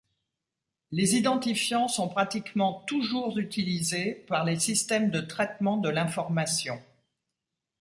Les identifiants sont pratiquement toujours utilisés par les systèmes de traitement de l'information.